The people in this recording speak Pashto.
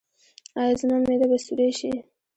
ایا زما معده به سورۍ شي؟